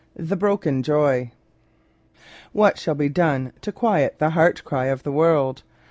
The Broken Joy What shall be done to quiet the heart cry of the world?